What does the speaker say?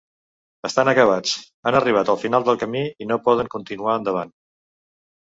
Estan acabats, han arribat al final del camí i no poden continuar endavant.